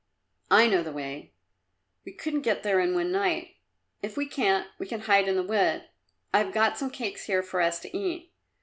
"I know the way." "We couldn't get there in one night." "If we can't, we can hide in the wood. I've got some cakes here for us to eat.